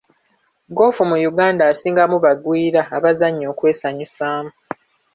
Ggoofu mu Uganda asingamu bagwira abazannya okwesanyusaamu.